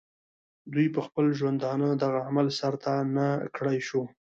دوي پۀ خپل ژوندانۀ دغه عمل سر ته نۀ کړے شو